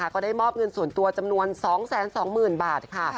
ก็ได้มอบเงินส่วนตัวจำนวน๒๒๐๐๐บาทค่ะ